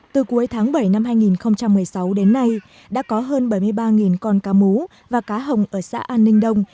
từ cuối tháng bảy năm hai nghìn một mươi sáu đến nay đã có hơn bảy mươi ba con cá mú và cá hồng ở xã an ninh đông